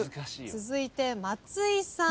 続いて松井さん。